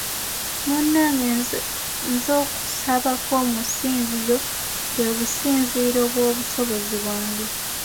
Munnange nze okusabako mu ssinzizo bwe businziiro bw’obusobozi bwange.